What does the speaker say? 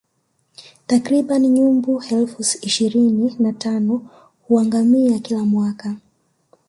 Takribani nyumbu elfu ishirini na tano huangamia kila mwaka